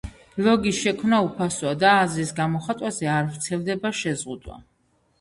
ბლოგის შექმნა უფასოა და აზრის გამოხატვაზე არ ვრცელდება შეზღუდვა.